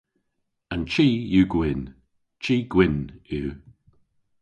An chi yw gwynn. Chi gwynn yw.